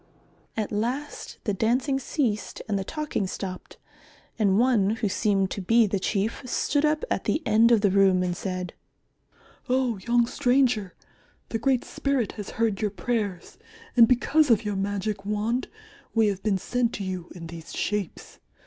At last the dancing ceased and the talking stopped, and one who seemed to be the Chief stood up at the end of the room and said, "Oh, young stranger, the Great Spirit has heard your prayers, and because of your magic wand we have been sent to you in these shapes.